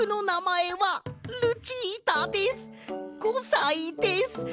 ５さいです。